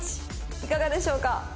いかがでしょうか？